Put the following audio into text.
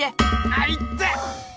あいって！